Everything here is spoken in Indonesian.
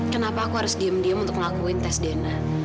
kenapa saya harus diam diam untuk mengakui tes dna